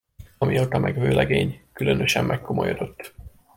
Amióta meg vőlegény, különösen megkomolyodott.